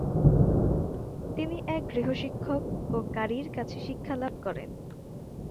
তিনি এক গৃহশিক্ষক ও ক্বারীর কাছে শিক্ষালাভ করেন।